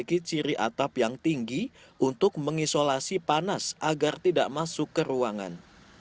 memiliki ciri atap yang tinggi untuk mengisolasi panas agar tidak masuk ke ruangan